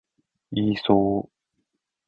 イーソー